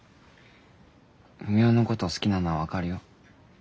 ふみおのこと好きなのは分かるよ。